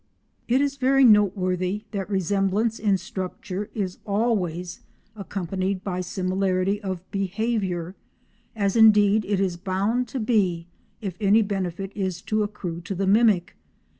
It is very noteworthy that resemblance in structure is always accompanied by similarity of behaviour—as indeed it is bound to be if any benefit is to accrue to the mimic.